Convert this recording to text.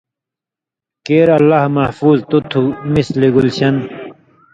کېر اللہ محفوظ تُو تُھو مثلِ گُلشن